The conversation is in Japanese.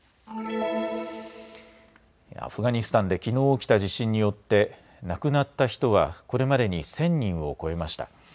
アフガニスタンできのう起きた地震によって亡くなった人はこれまでに１０００人を超えました。